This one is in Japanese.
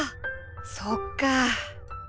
そっか。